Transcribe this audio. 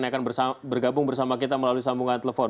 yang akan bergabung bersama kita melalui sambungan telepon